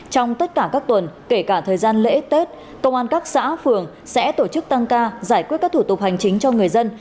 trong tất cả các tuần kể cả thời gian lễ tết công an các xã phường sẽ tổ chức tăng ca giải quyết các thủ tục hành chính cho người dân